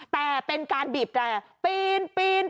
แต่เป็นการบีบแต่ปีนปีน